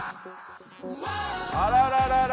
あらららら！